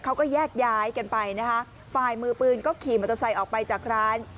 เขาก็แยกย้ายกันไปนะคะฝ่ายมือปืนก็ขี่มอเตอร์ไซค์ออกไปจากร้าน